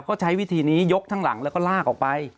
เขาใช้วิธีนี้ยกทั้งหลังแล้วก็ลากออกไป